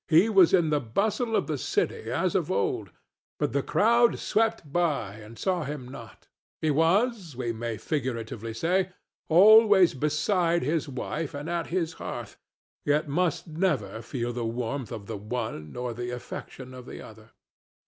He was in the bustle of the city as of old, but the crowd swept by and saw him not; he was, we may figuratively say, always beside his wife and at his hearth, yet must never feel the warmth of the one nor the affection of the other.